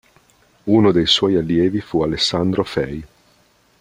Uno dei suoi allievi fu Alessandro Fei.